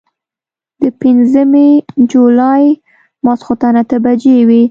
د پنځمې جولايې ماسخوتن اتۀ بجې وې